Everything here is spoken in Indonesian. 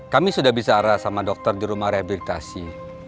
kami sudah bisa arah sama dokter di rumah rehabilitasi